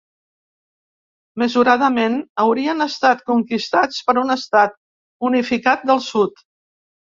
Mesuradament haurien estat conquistats per un estat unificat del Sud.